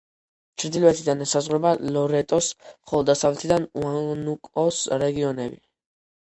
ჩრდილოეთიდან ესაზღვრება ლორეტოს, ხოლო დასავლეთიდან უანუკოს რეგიონები.